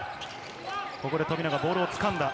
ここで富永、ボールをつかんだ。